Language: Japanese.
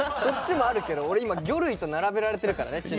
そっちもあるけど俺今魚類と並べられてるからね